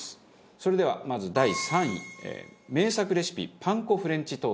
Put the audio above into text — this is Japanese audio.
それではまず第３位。名作レシピパン粉フレンチトーストです。